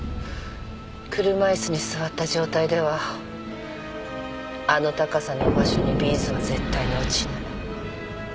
車椅子に座った状態ではあの高さの場所にビーズは絶対に落ちない。